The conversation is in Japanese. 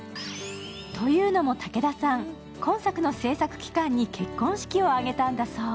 というのも武田さん、今作の制作期間に結婚式を挙げたんだそう。